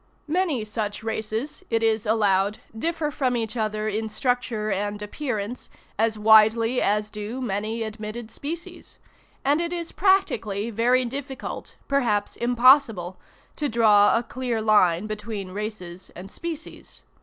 Many such races, it is allowed, differ from each other in structure and appearance as widely as do many admitted species; and it is practically very difficult, perhaps impossible, to draw a clear line between races and species.